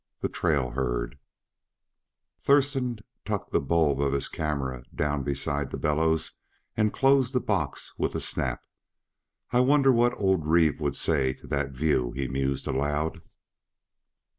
THE TRAIL HERD Thurston tucked the bulb of his camera down beside the bellows and closed the box with a snap. "I wonder what old Reeve would say to that view," he mused aloud.